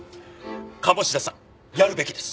鴨志田さんやるべきです。